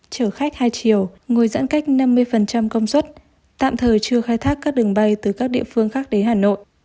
chở khách hai chiều ngồi giãn cách năm mươi công suất tạm thời chưa khai thác các đường bay từ các địa phương khác đến hà nội